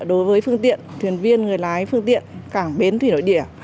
đối với phương tiện thuyền viên người lái phương tiện cảng bến thủy nội địa